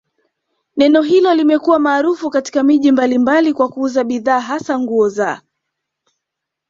neno hilo limekuwa maarufu katika miji mbalimbali kwa kuuza bidhaa hasa nguo za